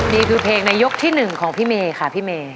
มีทุนเพลงในยกที่๑ของพี่เมียค่ะพี่เมีย